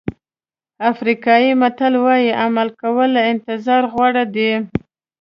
افریقایي متل وایي عمل کول له انتظار غوره دي.